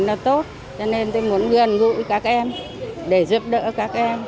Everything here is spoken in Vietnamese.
nó tốt cho nên tôi muốn gần gũi các em để giúp đỡ các em